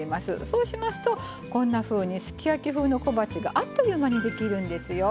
そうしますとこんなふうにすき焼き風の小鉢があっという間にできるんですよ。